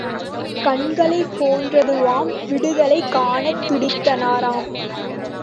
கண்களைப் போன்றதுவாம் விடுதலை காணத் துடித்தனராம்.